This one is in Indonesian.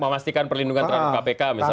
memastikan perlindungan terhadap kpk misalnya